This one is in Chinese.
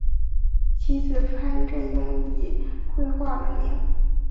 其子潘振镛以绘画闻名。